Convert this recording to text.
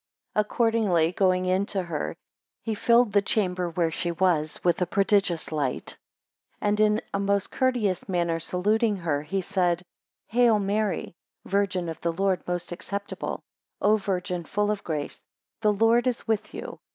2 Accordingly going into her, he filled the chamber where she was with a prodigious light, and in a most courteous manner saluting her, he said, 3 Hail, Mary! Virgin of the Lord most acceptable! O Virgin full of grace! The Lord is with you.